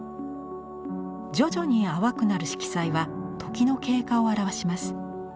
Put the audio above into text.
徐々に淡くなる色彩は時の経過を表します。